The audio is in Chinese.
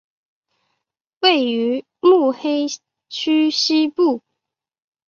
位于目黑区西部。